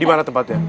di mana tempatnya